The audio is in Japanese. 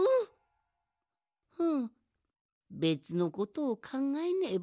ふうべつのことをかんがえねば。